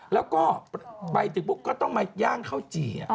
แล้วก็ไปถึงปุ๊บก็ต้องมาย่างข้าวจี่